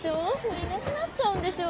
いなくなっちゃうんでしょ？